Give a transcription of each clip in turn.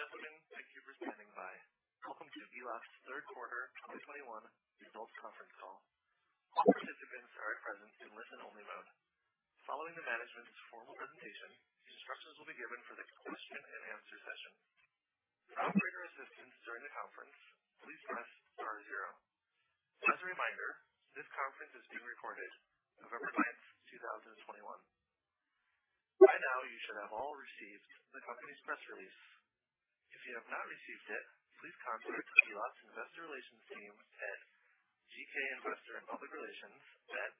Ladies and gentlemen, thank you for standing by. Welcome to Gilat's Third Quarter 2021 Results Conference Call. All participants are present in listen-only mode. Following the management's formal presentation, instructions will be given for the question and answer session. For operator assistance during the conference, please press star zero. Just a reminder, this conference is being recorded, November 9, 2021. By now you should have all received the company's press release. If you have not received it, please contact Gilat's investor relations team at GK Investor and Public Relations at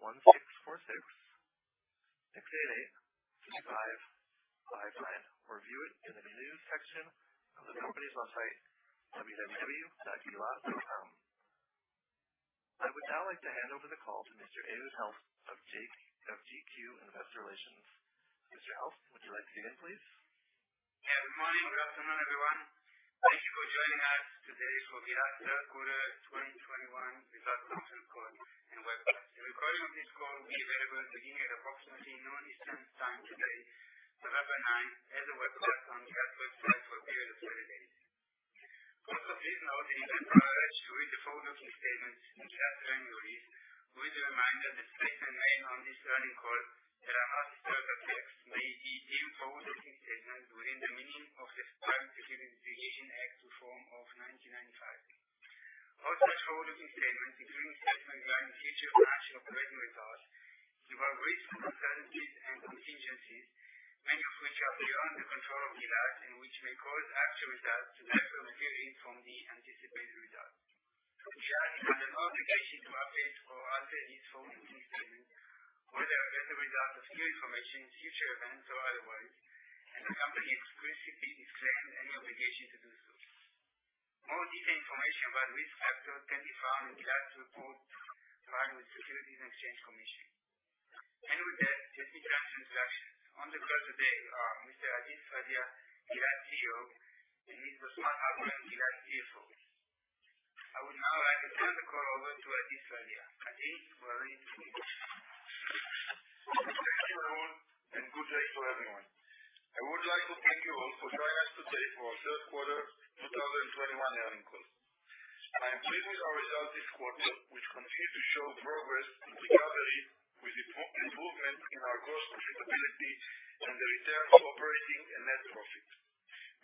1-646-688-6559, or view it in the News section of the company's website, www.gilat.com. I would now like to hand over the call to Mr. Ehud Helft of GK Investor Relations. Mr. Helft, would you like to begin, please? Good morning. Good afternoon, everyone. Thank you for joining us. Today is Gilat's third quarter 2021 results conference call and webcast. The recording of this call will be available beginning at approximately 12:00 P.M. Eastern Time today, November 9, 2021 as a webcast on Gilat's website for a period of 30 days. Also, please note that you are encouraged to read the forward-looking statements in Gilat's annual release with a reminder that statements made on this earnings call that are not historical facts may be forward-looking statements within the meaning of the Private Securities Litigation Reform Act of 1995. Also, forward-looking statements, including statements regarding future financial operating results, there are risks, uncertainties, and contingencies, many of which are beyond the control of Gilat and which may cause actual results to differ materially from the anticipated results. The company shall be under no obligation to update or alter these forward-looking statements, whether as a result of new information, future events or otherwise. The company explicitly disclaims any obligation to do so. More detailed information about risk factors can be found in Gilat's report filed with the Securities and Exchange Commission. With that, let me turn to introductions. On the call today are Mr. Adi Sfadia, Gilat CEO, and Mr. Bosmat Halpern, Gilat CFO. I would now like to turn the call over to Adi Sfadia. Adi, we are ready to hear you. Thank you, Ron, and good day to everyone. I would like to thank you all for joining us today for our third quarter 2021 earnings call. I am pleased with our results this quarter, which continue to show progress in recovery with improvement in our gross profitability and the return to operating and net profit.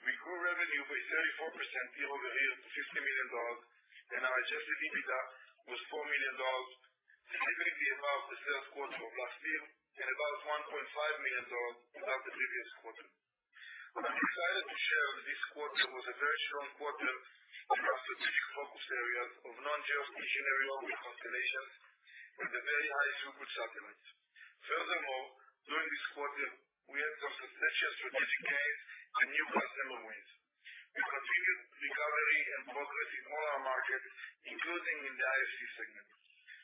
We grew revenue by 34% year-over-year to $60 million, and our adjusted EBITDA was $4 million, significantly above the third quarter of last year and about $1.5 million above the previous quarter. I'm excited to share this quarter was a very strong quarter for our strategic focus areas of Non-Geostationary Orbit constellations and Very High Throughput Satellites. Furthermore, during this quarter, we had some substantial strategic gains and new customer wins. We continue recovery and progress in all our markets, including in the IFC segment.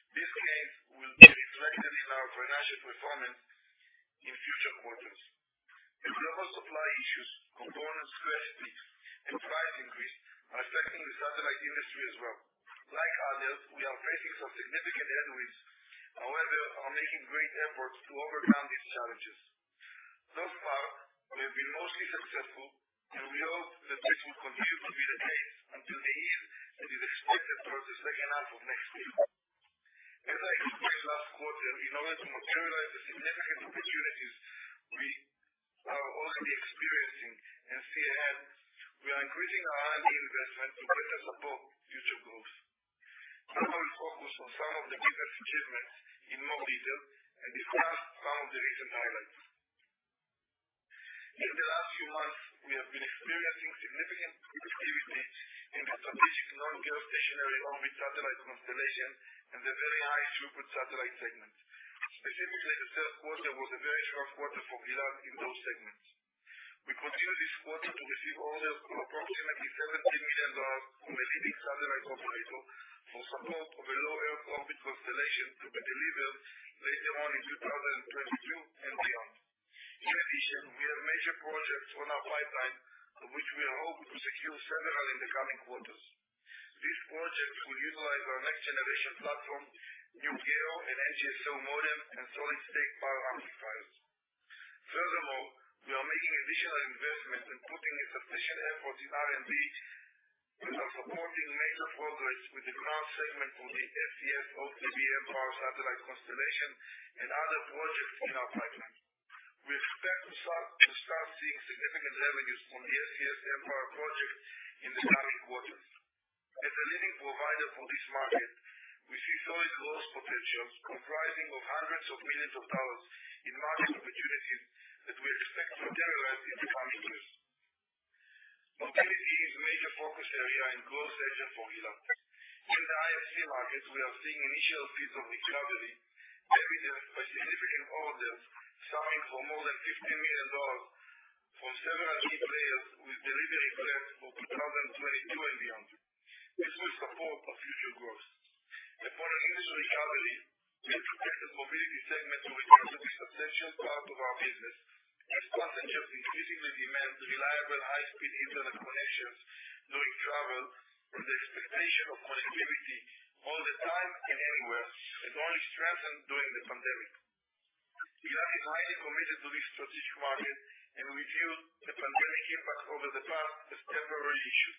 These gains will be reflected in our financial performance in future quarters. Global supply issues, components scarcity, and price increase are affecting the satellite industry as well. Like others, we are facing some significant headwinds, however, we are making great efforts to overcome these challenges. Thus far, we've been mostly successful, and we hope that this will continue to be the case until the ease that is expected towards the second half of next year. As I explained last quarter, in order to materialize the significant opportunities we are already experiencing in NGSO, we are increasing R&D investment to better support future growth. I will focus on some of the biggest achievements in more detail and discuss some of the recent highlights. In the last few months, we have been experiencing significant activity in the strategic non-geostationary orbit satellite constellation and the Very High Throughput Satellite segment. Specifically, the third quarter was a very strong quarter for Gilat in those segments. We continued this quarter to receive orders of approximately $70 million from a leading satellite operator for support of a low Earth orbit constellation to be delivered later on in 2022 and beyond. In addition, we have major projects on our pipeline, of which we hope to secure several in the coming quarters. These projects will utilize our next generation platform, new gyro and NGSO modem, and solid state power amplifiers. Furthermore, we are making additional investments, including a substantial effort in R&D, which are supporting major progress with the ground segment for the SES O3b mPOWER satellite constellation and other projects in our pipeline. We expect to start seeing significant revenues from the SES mPOWER project in the coming quarters. As a leading provider for this market, we see solid growth potentials comprising of hundreds of millions of dollars in market opportunities that we expect to materialize in the coming years. Mobility is a major focus area and growth engine for Gilat. In the IFC market, we are seeing initial seeds of recovery, evident by significant orders signing for more than $50 million from several key players with delivery planned for 2022 and beyond. This will support our future growth. For initial recovery, we expect the mobility segment to return to be a substantial part of our business as passengers increasingly demand reliable, high-speed during travel and the expectation of connectivity all the time and anywhere has only strengthened during the pandemic. Gilat is highly committed to this strategic market, and we view the pandemic impact over the past as temporary issue.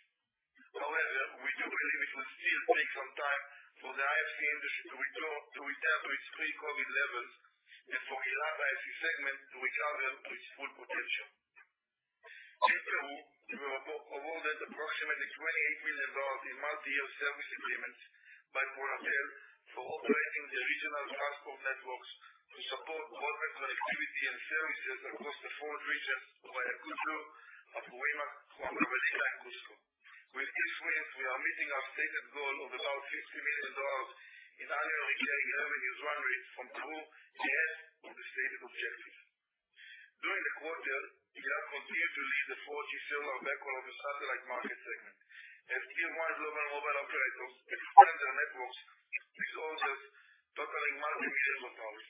However, we do believe it will still take some time for the IFC industry to return to its pre-COVID-19 levels and for LAC IFC segment to recover to its full potential. In Peru, we were awarded approximately $28 million in multi-year service agreements by Telefónica for operating the regional transport networks to support mobile connectivity and services across the four regions via Cusco, Arequipa, Huancavelica and Cusco. With these wins, we are meeting our stated goal of about $50 million in annual recurring average run rates from Peru, DSO and the state objectives. During the quarter, LAC continued to lead the 4G cellular backhaul of the satellite market segment. As tier one global mobile operators expand their networks with orders totaling multi-millions of dollars.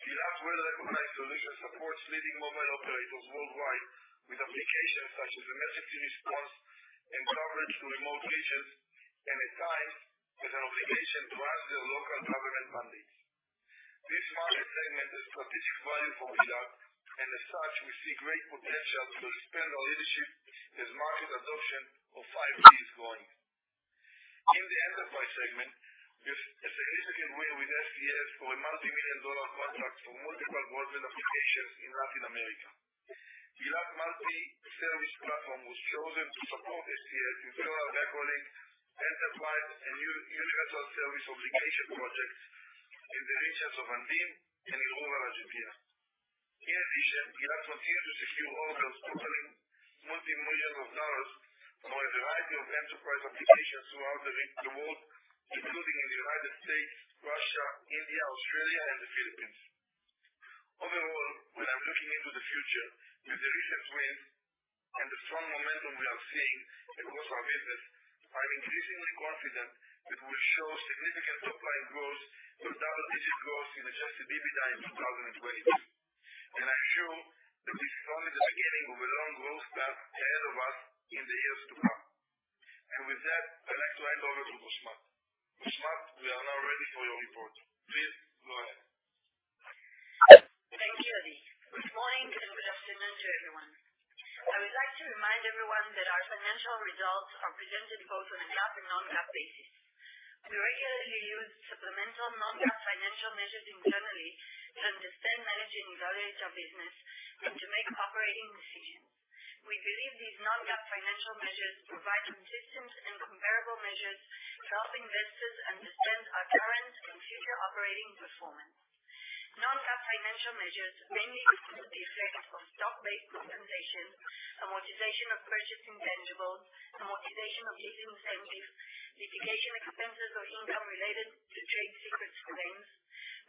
Gilat's well-recognized solution supports leading mobile operators worldwide with applications such as emergency response and coverage to remote regions, and at times as an obligation to us, their local government mandates. This market segment has strategic value for Gilat, and as such, we see great potential to expand our leadership as market adoption of 5G is growing. In the enterprise segment, we have signed with SES for a $ multi-million contract for multiple broadband applications in Latin America. Gilat multi-service platform was chosen to support SES in rural backhauling, enterprise and universal service obligation projects in the regions of Andean and in rural Argentina. In addition, Gilat continued to secure orders totaling $ multi-millions for a variety of enterprise applications throughout the world, including in the United States, Russia, India, Australia, and the Philippines. Overall, when I'm looking into the future with the recent wins and the strong momentum we are seeing across our business, I'm increasingly confident that we'll show significant top-line growth with double-digit growth in adjusted EBITDA in 2020. I'm sure that this is only the beginning of a long growth path ahead of us in the years to come. With that, I'd like to hand over to Bosmat Halpern. Bosmat Halpern, we are now ready for your report. Please go ahead. Thank you, Adi. Good morning and good afternoon to everyone. I would like to remind everyone that our financial results are presented both on a GAAP and non-GAAP basis. We regularly use supplemental non-GAAP financial measures internally to understand, manage, and evaluate our business and to make operating decisions. We believe these non-GAAP financial measures provide consistent and comparable measures to help investors understand our current and future operating performance. Non-GAAP financial measures mainly consist of the effect of stock-based compensation, amortization of purchased intangibles, amortization of leasing incentives, litigation expenses or income related to trade secrets claims,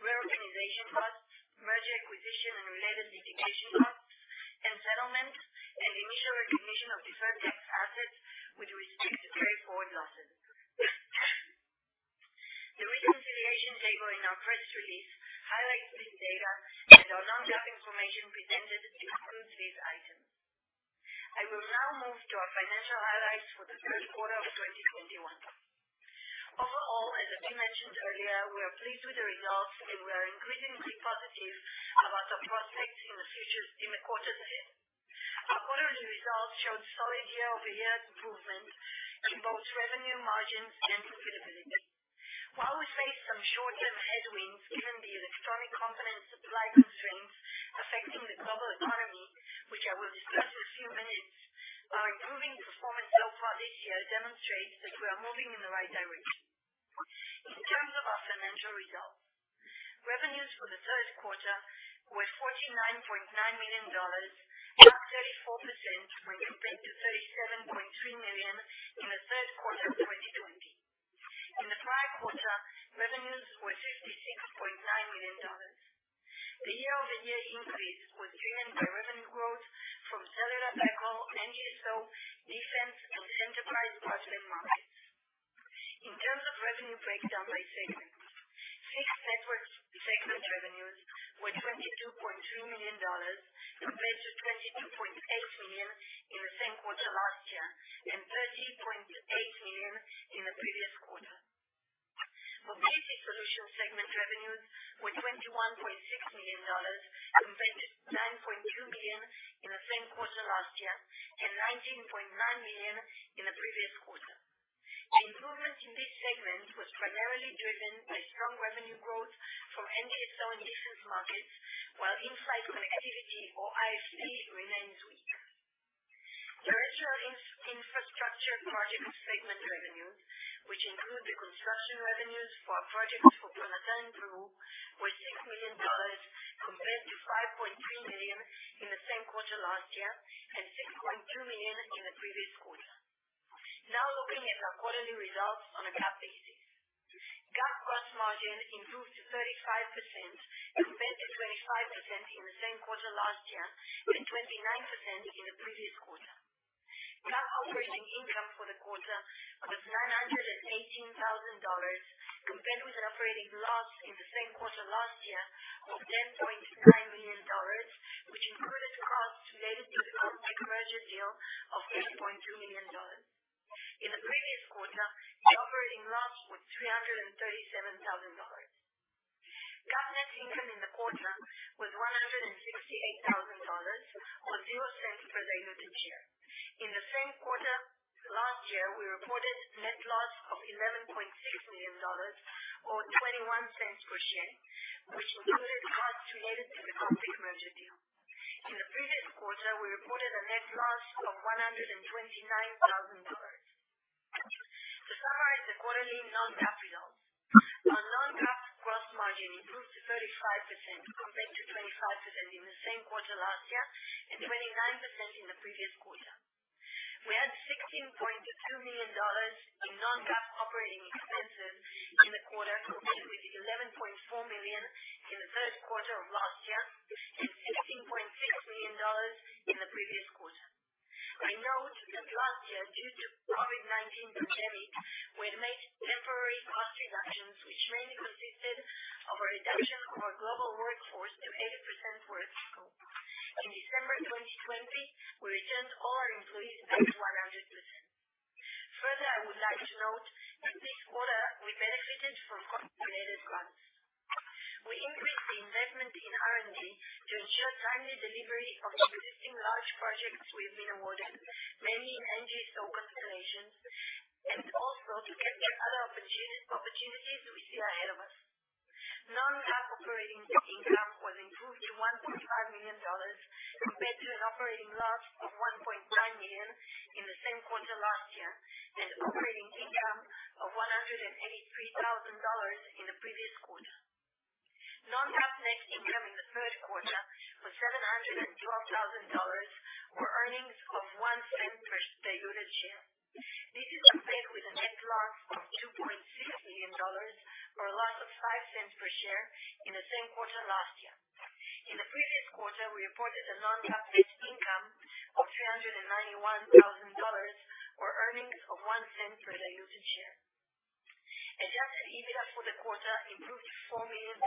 reorganization costs, merger acquisition and related litigation costs and settlements, and initial recognition of deferred tax assets with respect to carryforward losses. The reconciliation table in our press release highlights this data, and our non-GAAP information presented excludes these items. I will now move to our financial highlights for the third quarter of 2021. Overall, as Adi mentioned earlier, we are pleased with the results, and we are increasingly positive about our prospects in the future in the quarters ahead. Our quarterly results showed solid year-over-year improvement in both revenue margins and profitability. While we face some short-term headwinds given the electronic component supply constraints affecting the global economy, which I will discuss in a few minutes, our improving performance so far this year demonstrates that we are moving in the right direction. In terms of our financial results, revenues for the third quarter were $49.9 million, up 34% compared to $37.3 million in the third quarter of 2020. In the prior quarter, revenues were $56.9 million. The year-over-year increase was driven by revenue growth from cellular backhaul and USO defense and enterprise broadband markets. In terms of revenue breakdown by segment, Fixed Networks segment revenues were $22.2 million, compared to $22.8 million in the same quarter last year and $30.8 million in the previous quarter. Mobility Solutions segment revenues were $21.6 million, compared to $9.2 million in the same quarter last year and $19.9 million in the previous quarter. Improvement in this segment was primarily driven by strong revenue growth from USO and defense markets, while in-flight connectivity or IFC remains weak. The regional infrastructure projects segment revenue, which include the construction revenues for our projects for Telefónica in Peru, were $6 million compared to $5.3 million in the same quarter last year and $6.2 million in the previous quarter. Now looking at our quarterly results on a GAAP basis. GAAP gross margin improved to 35% compared to 25% in the same quarter last year and 29% in the previous quarter. GAAP operating income for the quarter was $918,000, compared with an operating loss in the same quarter last year of $10.9 million dollars, which included costs related to the Comtech merger deal of $1.2 million. In the previous quarter, we operated in loss with $337,000. GAAP net income in the quarter was $168,000 or $0.00 per diluted share. In the same quarter last year, we reported net loss of $11.6 million or $0.21 per share, which included costs related to the Comtech merger deal. In the previous quarter, we reported a net loss of $129,000. To summarize the quarterly non-GAAP results. Our non-GAAP gross margin improved to 35% compared to 25% in the same quarter last year and 29% in the previous quarter. We had $16.2 million in non-GAAP operating expenses in the quarter, compared with $11.4 million in the first quarter of last year and $16.6 million in the previous quarter. I note that last year, due to COVID-19 pandemic, Adjusted EBITDA for the quarter improved to $4 million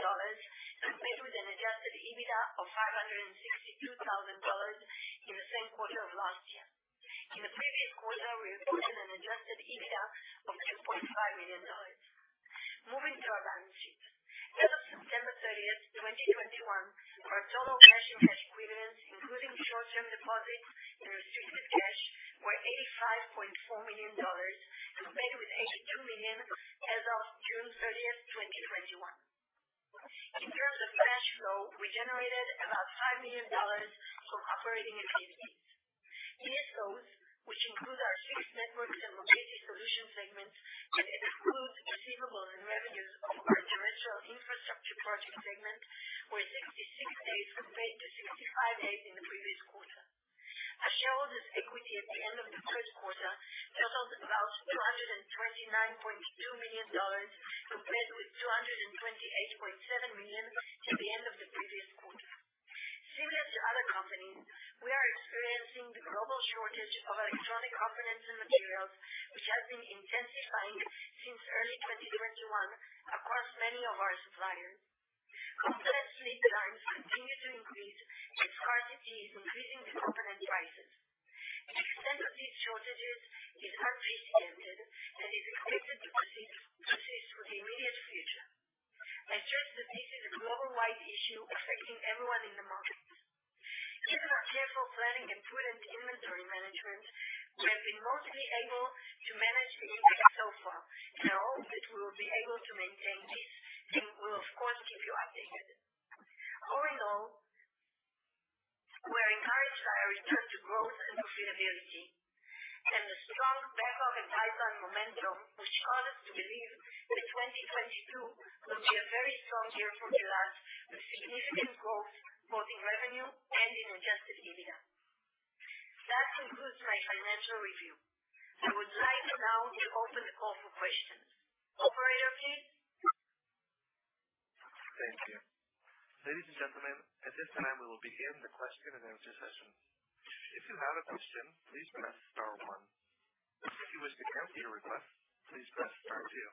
compared with an adjusted EBITDA of $562 thousand in the same quarter of last year. In the previous quarter, we reported an adjusted EBITDA of $2.5 million. Moving to our balance sheet. As of September 30, 2021, our total cash and cash equivalents, including short-term deposits and restricted cash, were $85.4 million, compared with $82 million as of June 30, 2021. In terms of cash flow, we generated about $5 million from operating activities. Days sales outstanding, which include our fixed network and location solution segments and excludes receivable and revenues of our terrestrial infrastructure project segment, were 66 days compared to 65 days in the previous quarter. Our shareholders' equity at the end of the third quarter totaled about $229.2 million, compared with $228.7 million at the end of the previous quarter. Similar to other companies, we are experiencing the global shortage of electronic components and materials, which has been intensifying since early 2021 across many of our suppliers. Component lead times continue to increase as scarcity is increasing component prices. The extent of these shortages is unprecedented and is expected to persist for the immediate future. I stress that this is a worldwide issue affecting everyone in the market. Given our careful planning and prudent inventory management, we have been mostly able to manage the impact so far, and I hope that we will be able to maintain this and we'll, of course, keep you updated. All in all, we're encouraged by our return to growth and profitability and the strong backlog and VHTS momentum which cause us to believe that 2022 will be a very strong year for Gilat with significant growth both in revenue and in adjusted EBITDA. That concludes my financial review. I would like now to open the call for questions. Operator, please. Thank you. Ladies and gentlemen, at this time, we will begin the question-and-answer session. If you have a question, please press star one. If you wish to cancel your request, please press star two.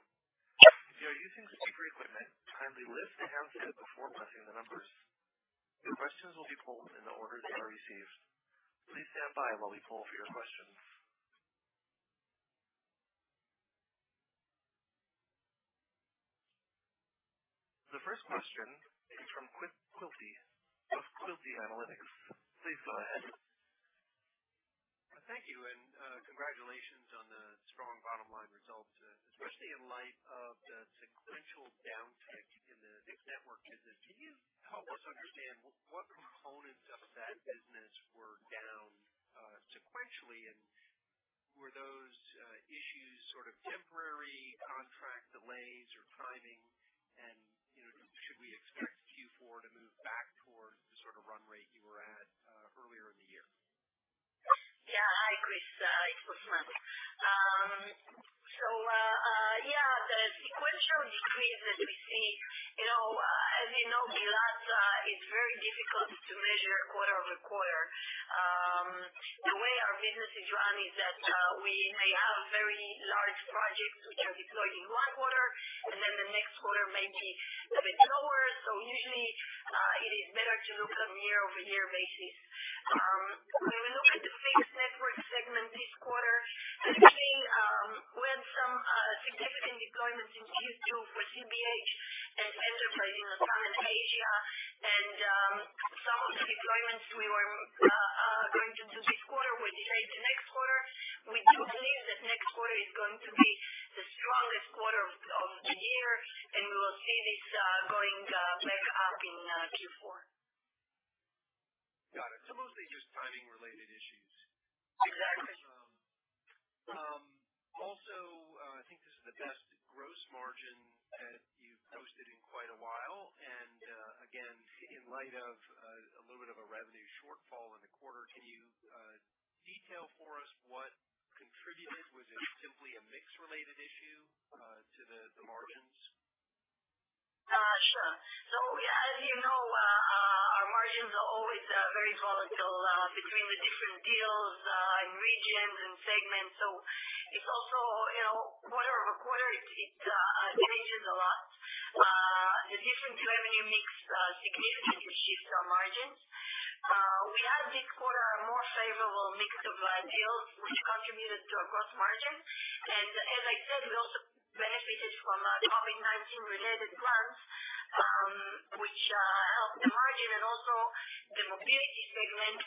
If you are using speaker equipment, kindly lift handset before pressing the numbers. Your questions will be pulled in the order they are received. Please stand by while we pull for your questions. The first question is from Chris Quilty of Quilty Analytics. Please go ahead. Thank you and congratulations on the strong bottom line results, especially in light of the sequential downtick in the fixed network business. Can you help us understand what components of that business were down, sequentially? Were those issues sort of temporary contract delays or timing? You know, should we expect Q4 to move back towards the sort of run rate you were at, earlier in the year? Yeah. Hi, Chris. It's Bosmat Halpern. The sequential decrease that we see, you know, as you know, Gilat is very difficult to measure quarter over quarter. The way our business is run is that we may have very large projects which are deployed in one quarter and then the next quarter may be a bit lower. Usually it is better to look at them year-over-year basis. When we look at the fixed network segment this quarter, actually we had some significant deployments in Q2 for CBH and enterprise in Japan and Asia. Some of the deployments we were going into this quarter will stay to next quarter. We do believe that next quarter is going to be the strongest quarter of the year, and we will see this going back up in Q4. Got it. Mostly just timing related issues. Exactly. Also, I think this is the best gross margin that you've posted in quite a while. Again, in light of a little bit of a revenue shortfall in the quarter, can you detail for us what contributed? Was it simply a mix related issue to the margins? Sure. As you know, our margins are always very volatile between the different deals in regions and segments. It's also, you know, quarter-over-quarter it changes a lot. The different revenue mix significantly shifts our margins. We had this quarter a more favorable mix of deals which contributed to our gross margin. As I said, we also benefited from COVID-19 related grants, which helped the margin and also the mobility segment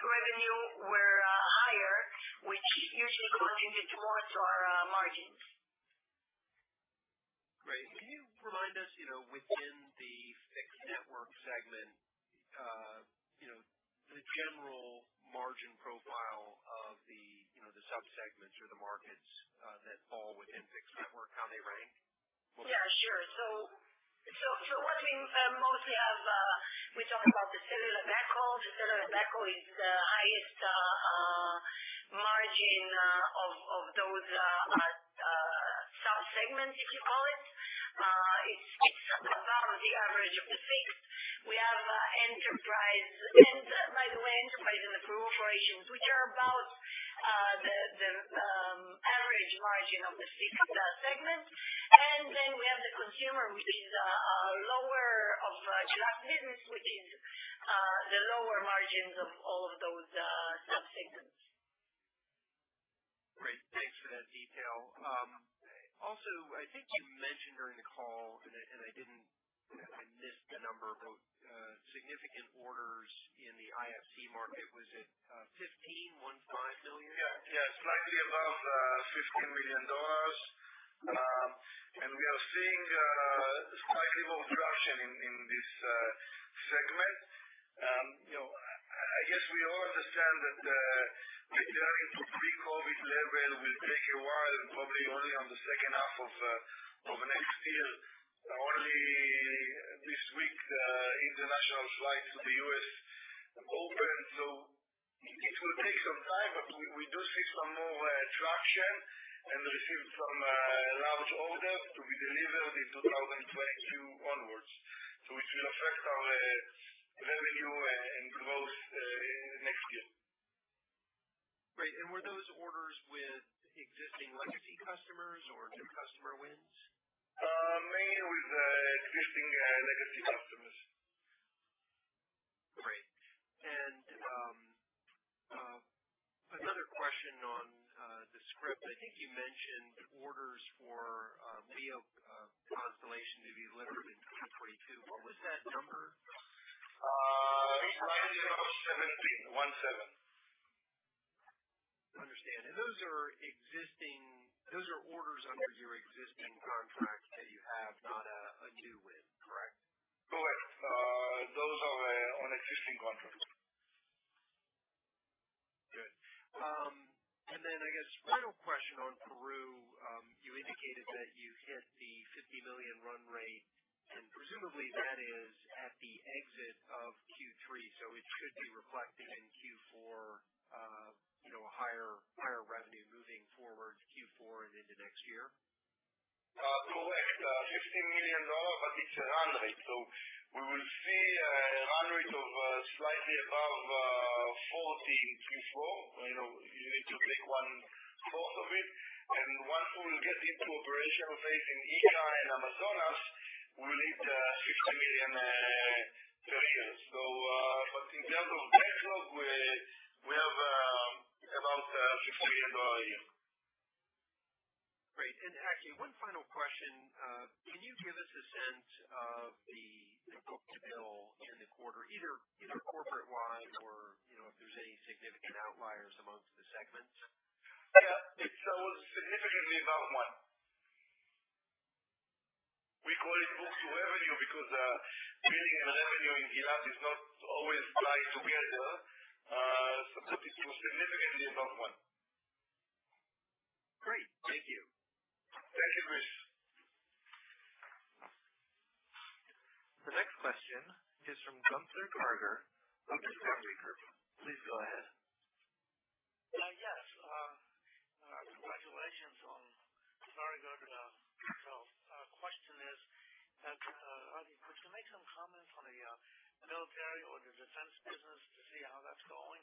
revenue were higher, which usually positive towards our margins. Great. Can you remind us, you know, within the fixed network segment, you know, the general margin profile of the, you know, the subsegments or the markets, that fall within fixed network, how they rank? Yeah, sure. If you're watching, most of it, we're talking about the cellular backhaul. The cellular backhaul is the highest margin of those subsegments, if you call it. It's above the average of the six. We have enterprise. By the way, enterprise and the crew operations, which are about the average margin of the six segments. We have the consumer, which is lower, the last business, which is the lowest margins of all of those subsegments. Great. Thanks for that detail. Also, I think you mentioned during the call, and I missed the number, but significant orders in the IFC market. Was it $15 million? Yeah. Yeah, slightly above $15 million. We are seeing slightly more traction in this segment. You know, I guess we all understand that returning to pre-COVID level will take a while and probably only in the second half of next year. Only this week international flights to the U.S. opened. It will take some time, but we do see some more traction and receive some large orders to be delivered in 2022 onward. It will affect our revenue and growth in the next year. Great. Were those orders with existing legacy customers or new customer wins? Mainly with existing legacy customers. Great. Another question on the script. I think you mentioned orders for LEO constellation to be delivered in 2022. What was that number? It was 717. Understand. Those are orders under your existing contracts that you have, not a new win. Correct. Those are on existing contracts. Good. I guess final question on Peru. You indicated that you hit the $50 million run rate, and presumably that is at the exit of Q3, so it should be reflected in Q4, you know, higher revenue moving forward Q4 and into next year. Correct. $50 million, but it's a run rate. We will see a run rate of slightly above $43.4 million. You know, you need to take one fourth of it. Once we will get into operational phase in Ica and Amazonas, we'll hit $50 million per year. In terms of backlog, we have about $50 million a year. Great. Actually, one final question. Can you give us a sense of the book to bill in the quarter, either corporate-wide or, you know, if there's any significant outliers among the segments? Yeah. It's significantly above one. We call it book to revenue because billing and revenue in Gilat is not always tied together. It was significantly above one. Great. Thank you. Thank you, Chris. The next question is from Gunther Karger of Discovery Group. Please go ahead. Yes. Congratulations, and Adi, would you make some comments on the military or the defense business to see how that's going?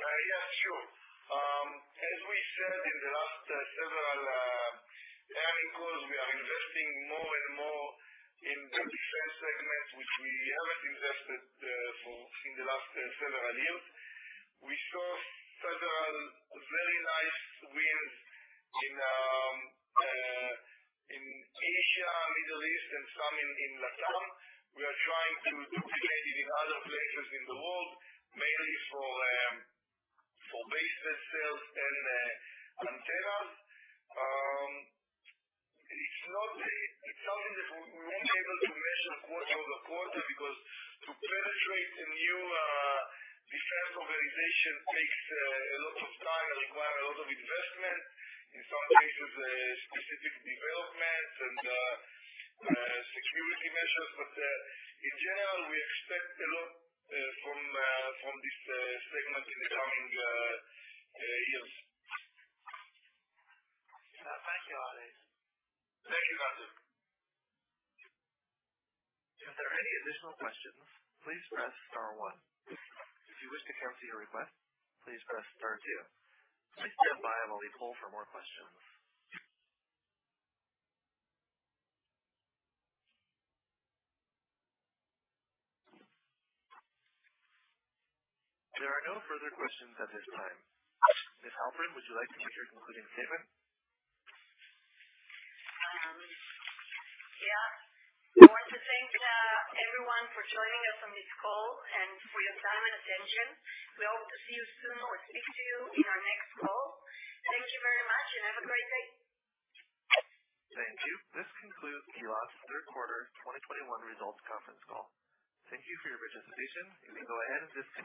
Yeah, sure. As we said in the last several earnings calls, we are investing more and more in the defense segment, which we haven't invested in the last several years. We saw several very nice wins in Asia, Middle East, and some in Latam. We are trying to duplicate it in other places in the world, mainly for base vessels and antennas. It's something that we won't be able to measure quarter-over-quarter because to penetrate a new defense organization takes a lot of time and require a lot of investment. In some cases, a specific development and security measures. In general, we expect a lot from this segment in the coming years. Thank you, Adi. Thank you, Gunther Karger. Ms. Halpern, would you like to give your concluding statement? Yeah. I want to thank everyone for joining us on this call and for your time and attention. We hope to see you soon or speak to you in our next call. Thank you very much, and have a great day. Thank you. This concludes Gilat's third quarter 2021 results conference call. Thank you for your participation. You may go ahead and disconnect your lines.